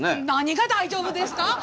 何が大丈夫ですか？